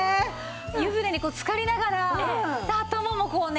湯船につかりながら頭もこうね。